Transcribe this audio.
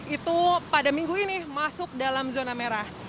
itu pada minggu ini masuk dalam zona merah